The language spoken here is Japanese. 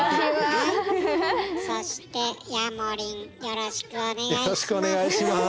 そしてヤモリンよろしくお願いします。